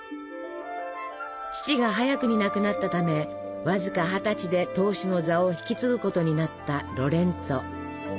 父が早くに亡くなったためわずか二十歳で当主の座を引き継ぐことになったロレンツォ。